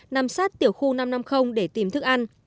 nằm sát tiểu khu năm trăm năm mươi để tìm thức ăn